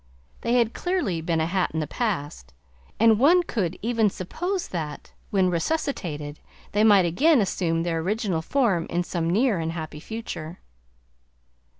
They had clearly been a hat in the past, and one could even suppose that, when resuscitated, they might again assume their original form in some near and happy future.